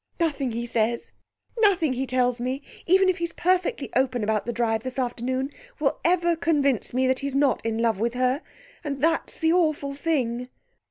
"Nothing he says, nothing he tells me, even if he's perfectly open about the drive this afternoon, will ever convince me that he's not in love with her, and that's the awful thing."